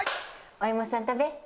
お芋さん、食べ。